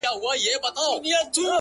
د دې ميني ادایته! د انسان تر وس وتلې